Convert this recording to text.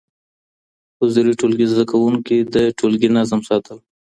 حضوري ټولګي زده کوونکو د ټولګي نظم ساتل.